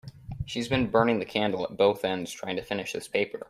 She has been burning the candle at both ends trying to finish this paper.